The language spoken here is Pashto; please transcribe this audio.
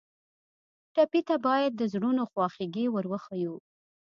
ټپي ته باید د زړونو خواخوږي ور وښیو.